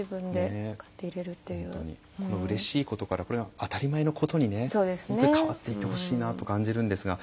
この、うれしいことからこれが当たり前のことに変わっていってほしいと感じるんですが。